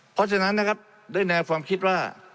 เพราะฉะนั้นนะครับด้วยแนวความคิดว่า